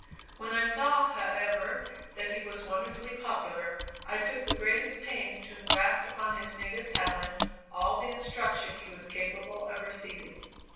When I saw, however, that he was wonderfully popular, I took the greatest pains to engraft upon his native talent all the instruction he was capable of receiving.